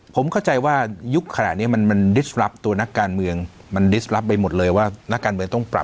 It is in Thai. ผมเข้าใจว่ายุคขนาดนี้มันดิสรับตัวนักการเมืองมันดิสรับไปหมดเลยว่านักการเมืองต้องปรับ